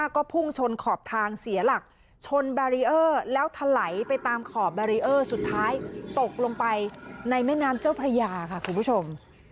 ก็พุ่งชนขอบทางเสียหลักชนแบรีเออร์แล้วถลายไปตามขอบแบรีเออร์สุดท้ายตกลงไปในแม่น้ำเจ้าพระยาค่ะคุณผู้ชม